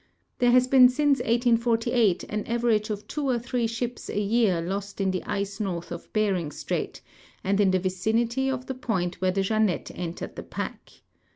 There has been since 1818 an average of tAVO or three ships a year lost in the ice north of Bering strait, and in the vicinity of the point Avhere the Jeannette entered the pack.